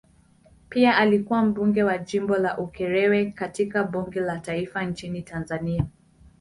Pia alikuwa mbunge wa jimbo la Ukerewe katika bunge la taifa nchini Tanzania.